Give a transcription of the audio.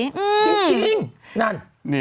หมดนั้นจริง